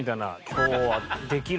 今日はできるかな？